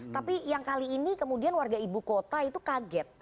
tapi yang kali ini kemudian warga ibu kota itu kaget